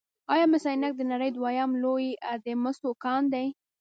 آیا مس عینک د نړۍ دویم لوی د مسو کان دی؟